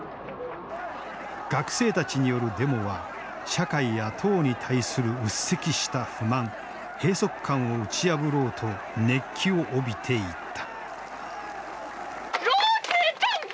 学生たちによるデモは社会や党に対する鬱積した不満閉塞感を打ち破ろうと熱気を帯びていった。